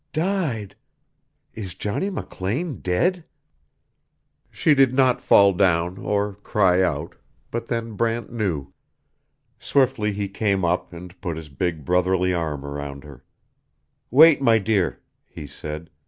"Died? Is Johnny McLean dead?" She did fall down, or cry out, but then Brant knew. Swiftly he came up and put his big, brotherly arm around her. "Wait, my dear," he said.